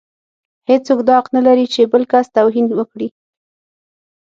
هيڅوک دا حق نه لري چې بل کس ته توهين وکړي.